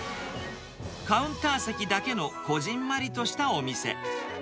カウンター席だけのこじんまりとしたお店。